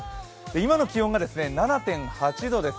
今の気温が７．８度です。